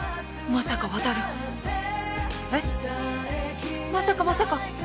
まさかまさか？